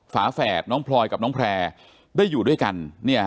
ฝาแฝดน้องพลอยกับน้องแพร่ได้อยู่ด้วยกัน